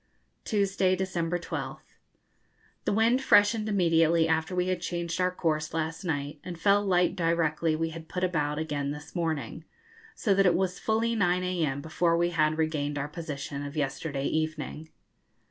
Tuesday, December 12th. The wind freshened immediately after we had changed our course last night, and fell light directly we had put about again this morning, so that it was fully 9 a.m. before we had regained our position of yesterday evening.